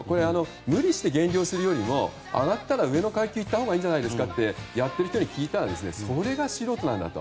無理して減量するよりも上がったら上の階級に行ったほうがいいんじゃないですか？って聞いたらそれは素人なんだと。